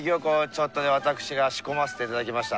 ちょっとね私が仕込ませていただきました。